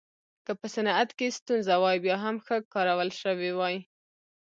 که په صنعت کې ستونزې وای بیا هم ښه کارول شوې وای.